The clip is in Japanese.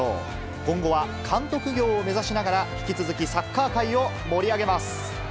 今後は監督業を目指しながら、引き続きサッカー界を盛り上げます。